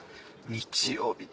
日曜日。